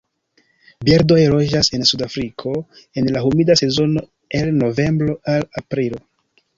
Birdoj loĝas en Sudafriko en la humida sezono el novembro al aprilo.